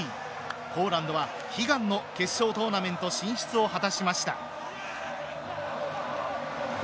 ポーランドは悲願の決勝トーナメント進出を果たしました。